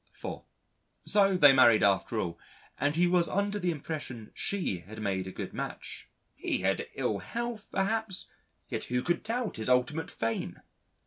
(4) So they married after all, and he was under the impression she had made a good match. He had ill health perhaps, yet who could doubt his ultimate fame?